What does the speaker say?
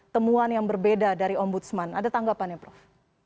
temuan yang berbeda dari ombudsman ada tanggapannya prof